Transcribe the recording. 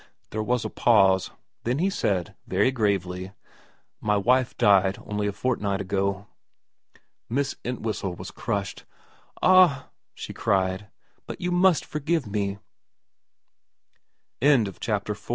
There was a pause. Then he said, very gravely, * My wife died only a fortnight ago.' Miss Entwhistle was crushed. ' Ah,' she cried, * but you must forgive me ' NEVERTHELESS h